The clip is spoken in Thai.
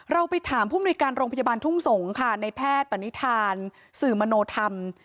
เราไปถามผู้บริการโรงพยาบาลธุ้งสงฆ์ในแพทย์ประณิทานสื่อมโนธรรม